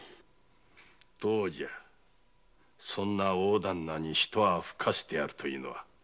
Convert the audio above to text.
どうじゃそんな大旦那にひと泡ふかせてやるというのは。